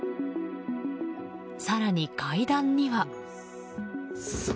更に階段には。